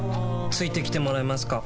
付いてきてもらえますか？